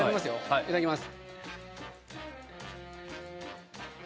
いただきます。